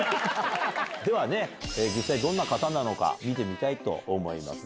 実際どんな方なのか見てみたいと思います。